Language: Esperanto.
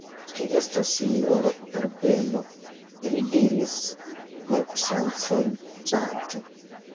Li estas sinjoro Herbeno, ili diris ne ŝanceliĝante.